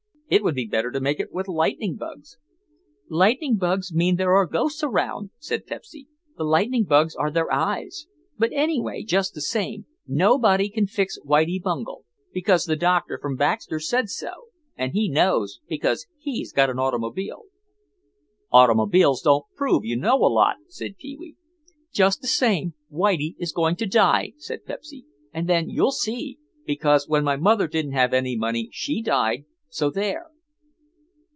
It would be better to make it with lightning bugs." "Lightning bugs mean there are ghosts around," said Pepsy; "the lightning bugs are their eyes. But anyway, just the same, nobody can fix Whitie Bungel, because the doctor from Baxter said so, and he knows because he's got an automobile." "Automobiles don't prove you know a lot," said Pee wee. "Just the same Whitie is going to die," said Pepsy, "and then you'll see, because when my mother didn't have any money she died, so there."